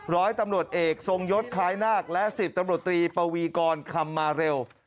ร้อยตำรวจเอกทรงยศคล้ายนาคและ๑๐ตำรวจตรีปวีกรคำมาเร็ว